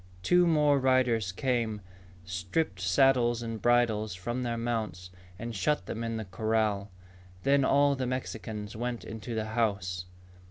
Two more riders came, stripped saddles and bridles from their mounts, and shut them in the corral. Then all the Mexicans went into the house.